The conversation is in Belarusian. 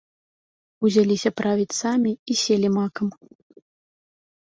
Узяліся правіць самі і селі макам.